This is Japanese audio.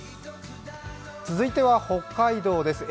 続いては北海道です。